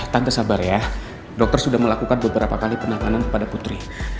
tanpa sabar ya dokter sudah melakukan beberapa kali penanganan kepada putri